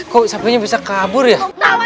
kok sapinya bisa kabur ya